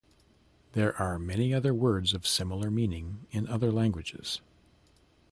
There are many words of similar meaning in other languages.